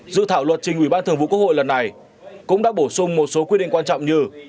dự thảo luật trình ủy ban thường vụ quốc hội lần này cũng đã bổ sung một số quy định quan trọng như